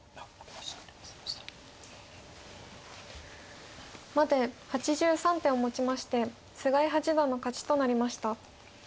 まで８３手をもちまして菅井八段の勝ちとなりました。